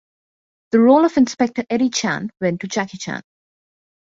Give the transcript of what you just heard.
The role of Inspector Eddie Chan went to Jackie Chan.